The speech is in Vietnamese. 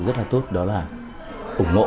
rất là tốt đó là ủng hộ